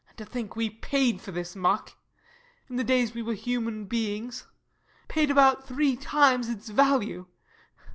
_] And to think we paid for this muck, in the days we were human beings paid about three times its value!